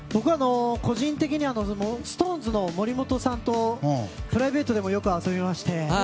個人的にＳｉｘＴＯＮＥＳの森本さんとプライベートでもよく遊びまして。